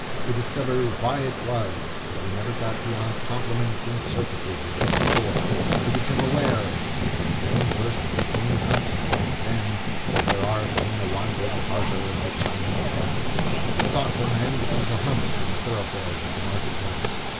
We discover why it was that we never got beyond compliments and surfaces with them before; we become aware of as many versts between us and them as there are between a wandering Tartar and a Chinese town. The thoughtful man becomes a hermit in the thoroughfares of the market place.